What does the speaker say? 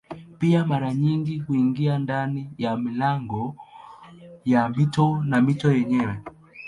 Pia mara nyingi huingia ndani ya milango ya mito na mito yenyewe.